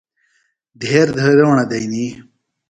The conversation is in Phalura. دھیر دیھروݨہ دئنی۔